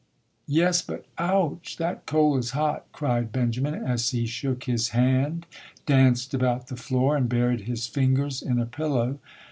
"Yes but ouch, that coal is hot!" cried Ben jamin as he shook his hand, danced about the floor and buried his fingers in a pillow.